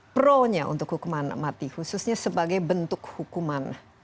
pronya untuk hukuman mati khususnya sebagai bentuk hukuman